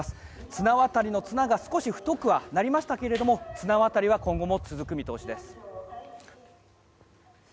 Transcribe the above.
綱渡りの綱が少し太くなりましたが綱渡りは今後も続く見通しです。